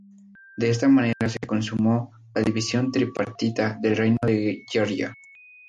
De esta manera se consumó la división tripartita del reino de Georgia.